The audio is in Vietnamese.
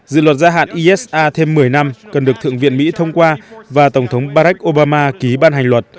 dự luật gia hạn isa thêm một mươi năm cần được thượng viện mỹ thông qua và tổng thống barack obama ký ban hành luật